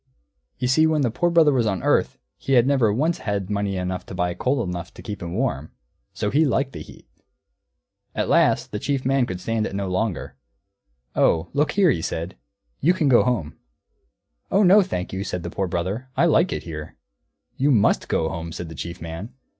You see when the Poor Brother was on earth he had never once had money enough to buy coal enough to keep him warm; so he liked the heat. At last the Chief Man could stand it no longer. "Oh, look here," he said, "you can go home." "Oh no, thank you," said the Poor Brother, "I like it here." "You must go home," said the Chief Man.